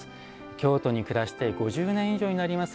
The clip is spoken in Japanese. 京都に暮らして５０年以上になります